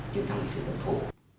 kiểm soát lịch sử tổ tổ